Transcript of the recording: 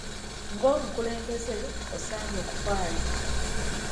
Ng'omukulembeze osaanye okufaayo.